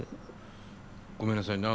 ごめんなさいね。